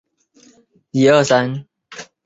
遂成定制。